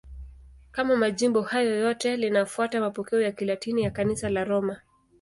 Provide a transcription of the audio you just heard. Kama majimbo hayo yote, linafuata mapokeo ya Kilatini ya Kanisa la Roma.